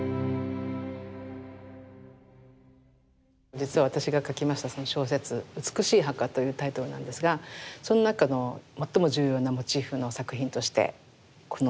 実は私が書きました小説「美しい墓」というタイトルなんですがその中の最も重要なモチーフの作品としてこの作品を使わせて頂きました。